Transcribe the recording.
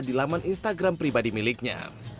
di laman instagram pribadi miliknya